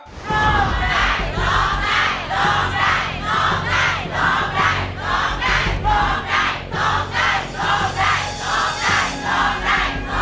ร้องได้ร้องได้ร้องได้ร้องได้ร้องได้ร้องได้